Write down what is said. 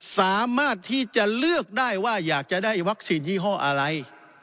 สามารถที่จะเลือกได้ว่าอยากจะได้วัคซีนยี่ห้ออะไร